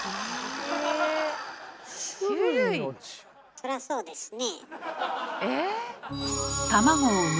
そらそうですね。